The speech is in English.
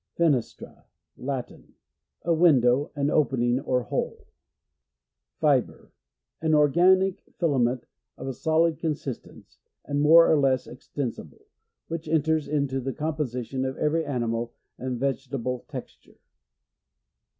Fenestra. — Latin. A window, — an opening or hole. Fibre — An organic filament, of a solid consistence, and more or less extensible, which enters into the composition of every animal and vegetable texture.